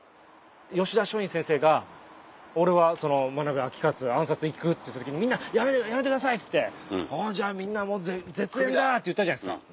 吉田松陰先生が「俺は間部詮勝暗殺行く」って時にみんな「やめてください」っつって。「じゃあみんなもう絶縁だ」って言ったじゃないですか。